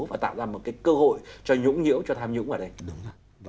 và tạo ra một cái cơ hội cho nhũng nhiễu cho tham nhũng ở đây